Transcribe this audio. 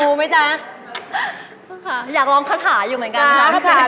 อุปกรณ์ตบแต่งห้องเด็ก